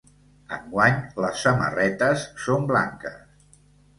Enguany les samarretes són blanques.